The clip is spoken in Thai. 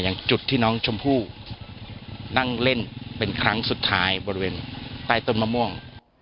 อย่างจุดที่น้องชมพู่นั่งเล่นเป็นครั้งสุดท้ายบริเวณใต้ต้นมะม่วง